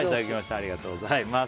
ありがとうございます。